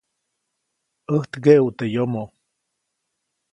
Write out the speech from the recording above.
ʼÄjt ŋgeʼuʼt teʼ yomoʼ.